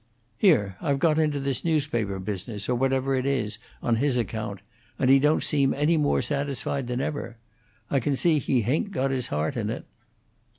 "Here, I've gone into this newspaper business, or whatever it is, on his account, and he don't seem any more satisfied than ever. I can see he hain't got his heart in it."